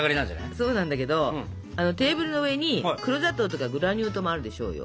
そうなんだけどテーブルの上に黒砂糖とかグラニュー糖もあるでしょうよ？